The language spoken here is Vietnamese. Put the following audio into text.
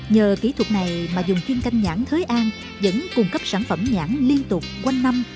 nhờ kỹ thuật này mà dùng chuyên canh nhãn thới an vẫn cung cấp sản phẩm nhãn liên tục quanh năm